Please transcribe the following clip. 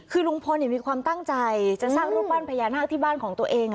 คือลุงพลมีความตั้งใจจะสร้างรูปปั้นพญานาคที่บ้านของตัวเอง